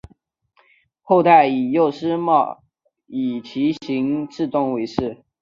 后代以右师戊以其行次仲为氏。